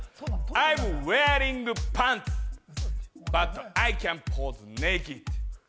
アイムウエアリングパンツ、バットアイキャンポーズネキッド！